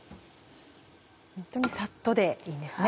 ホントにサッとでいいんですね。